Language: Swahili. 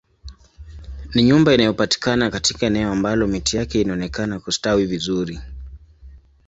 Ni nyumba inayopatikana katika eneo ambalo miti yake inaonekana kustawi vizuri